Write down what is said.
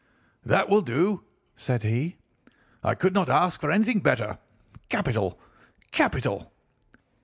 "'That will do,' said he; 'I could not ask for anything better. Capital! capital!